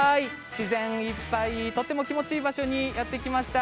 自然いっぱいとても気持ちいい場所にやってきました。